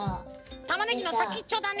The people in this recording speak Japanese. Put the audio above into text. たまねぎのさきっちょだね。